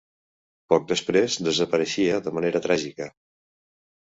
Poc després desapareixia de manera tràgica.